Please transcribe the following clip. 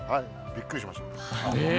びっくりしました。